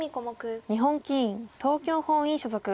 日本棋院東京本院所属。